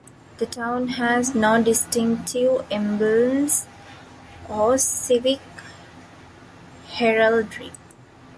The town has no distinctive emblems or civic heraldry.